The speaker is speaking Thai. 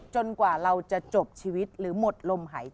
กว่าเราจะจบชีวิตหรือหมดลมหายใจ